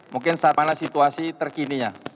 mungkin saat mana situasi terkininya